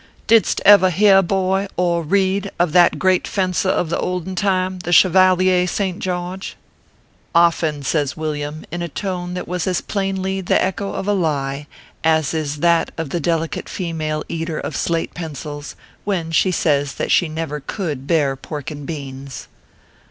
" Didst ever hear, boy, or read, of that great fencer of the olden time, the Chevalier St. George ?"" Often," says Villiam, in a tone that was as plainly the echo of a lie as is that of the delicate female eater of slate pencils, when she says that she never could bear pork and beans.